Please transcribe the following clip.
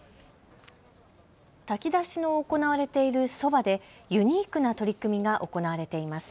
炊き出しの行われているそばでユニークな取り組みが行われています。